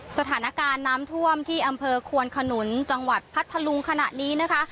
สถานการณ์น้ำท่วมที่อำเภอควนขนุนจังหวัดพัทธลุงขณะนี้นะคะ